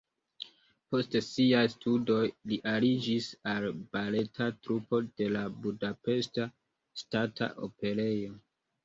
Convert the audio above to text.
Post siaj studoj li aliĝis al baleta trupo de la Budapeŝta Ŝtata Operejo.